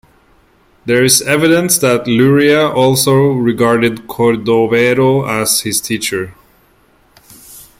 There is evidence that Luria also regarded Cordovero as his teacher.